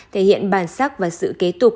thể hiện bản sắc và sự kế tục